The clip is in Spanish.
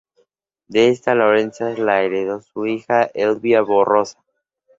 De esta Lorenza la heredó su hija Elvira Barroso.